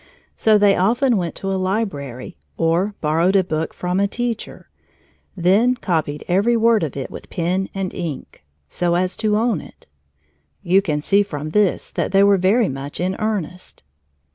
So they often went to a library, or borrowed a book from a teacher, then copied every word of it with pen and ink, so as to own it. You can see from this that they were very much in earnest.